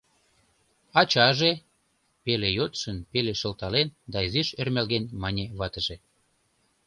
— Ачаже?.. — пеле йодшын, пеле шылтален да изиш ӧрмалген мане ватыже.